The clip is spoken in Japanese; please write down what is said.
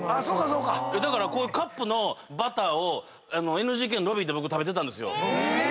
だからこういうカップのバターをＮＧＫのロビーで僕食べてたんですよ。